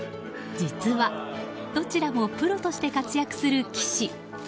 実は、どちらもプロとして活躍する棋士。